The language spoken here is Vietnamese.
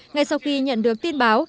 ngay sau khi nhận được tin báo